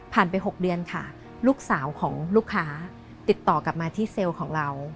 ไป๖เดือนค่ะลูกสาวของลูกค้าติดต่อกลับมาที่เซลล์ของเรา